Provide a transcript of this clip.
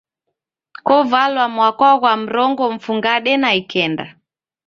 Kovalwa mwaka ghwa mrongo mfungade na ikenda.